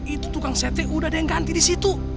itu tukang sate udah ada yang ganti disitu